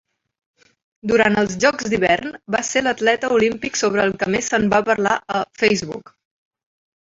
Durant els jocs d'hivern, va ser l'atleta olímpic sobre el que més se'n va parlar a Facebook.